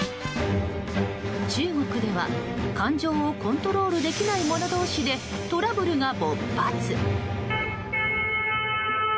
中国では、感情をコントールできない者同士でトラブルが勃発。